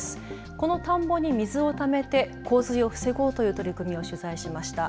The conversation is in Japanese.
この田んぼに水をためて洪水を防ごうという取り組みを取材しました。